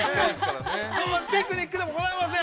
そんなピクニックでもございません。